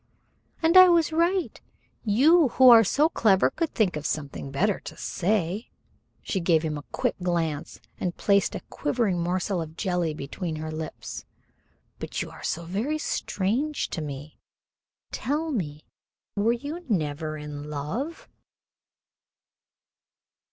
"And I was right. You, who are so clever, could think of something better to say." She gave him a quick glance, and placed a quivering morsel of jelly between her lips. "But you are so very strange to me. Tell me, were you never in love?"